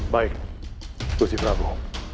baik gusti prabu